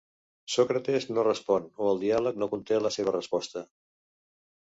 Sòcrates no respon, o el diàleg no conté la seva resposta.